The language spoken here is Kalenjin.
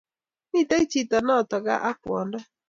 miten chiton kaa ak kwondo